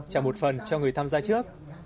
trả một phần cho người tham gia trước